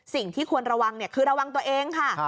สิ่งที่ควรระวังคือระวังตัวเองค่ะ